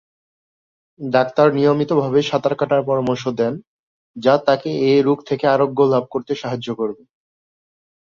Doctor নিয়মিতভাবে সাঁতার কাটার পরামর্শ দেন যা তাকে এ রোগ থেকে আরোগ্য লাভ করতে সাহায্য করবে।